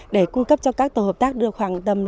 để cung cấp cho các tổ hợp tác đưa khoảng tầm